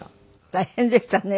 大変でしたね。